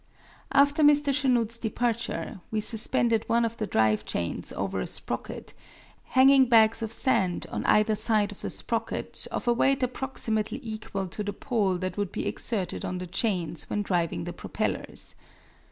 After Mr. Chanute's departure, we suspended one of the drive chains over a sprocket, hanging bags of sand on either side of the sprocket of a weight approximately equal to the pull that would be exerted on the chains when driving the propellers.